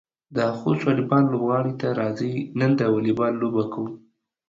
د خوست واليبال لوبغالي ته راځئ، نن د واليبال لوبه کوو.